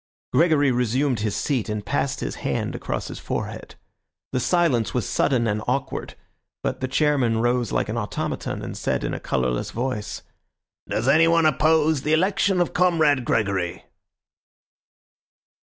Gregory resumed his seat and passed his hand across his forehead. The silence was sudden and awkward, but the chairman rose like an automaton, and said in a colourless voice— "Does anyone oppose the election of Comrade Gregory?"